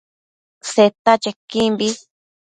Seta chequimbi